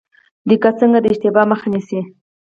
دقت څنګه د اشتباه مخه نیسي؟